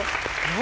何？